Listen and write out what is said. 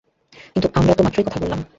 কিন্তু আমরা তো মাত্রই কথা বললাম।